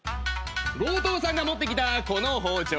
強盗さんが持ってきたこの包丁。